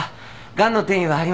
ガンの転移はありません。